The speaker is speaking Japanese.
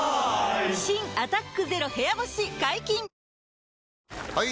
新「アタックＺＥＲＯ部屋干し」解禁‼・はい！